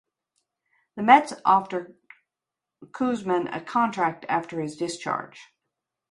The Mets offered Koosman a contract after his discharge.